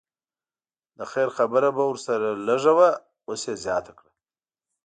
د خیر خبره به ورسره لږه وه اوس یې زیاته کړه.